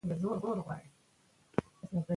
ته باید خیاطي یا اشپزي په سمه توګه زده کړې.